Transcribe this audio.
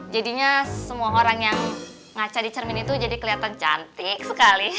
jadinya semua orang yang ngaca di cermin itu jadi kelihatan cantik sekali